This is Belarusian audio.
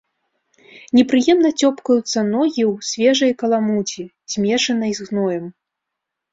Непрыемна цёпкаюцца ногі ў свежай каламуці, змешанай з гноем.